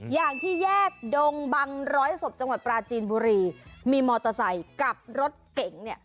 อย่างที่แยกดงบังร้อยศพจังหวัดปราจีนบุรีมีมอเตอร์ไซค์กับรถเก๋งเนี่ย